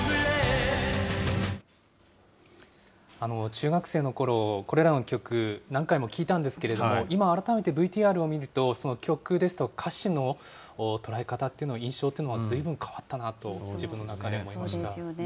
中学生のころ、これらの曲、何回も聴いたんですけども、今、改めてＶＴＲを見ると、その曲ですとか、歌詞の捉え方っていうの、印象というのがずいぶん変わったなと、そうですよね。